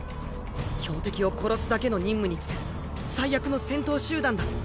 標的を殺すだけの任務に就く最悪の戦闘集団だ。